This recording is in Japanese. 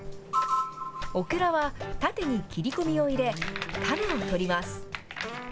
オクラは縦に切り込みを入れ、種を取ります。